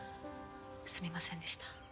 すみませんでした。